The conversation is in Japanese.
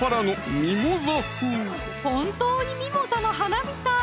本当にミモザの花みたい！